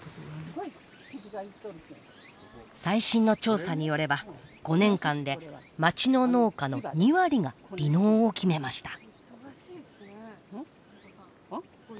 最新の調査によれば５年間で町の農家の２割が離農を決めました。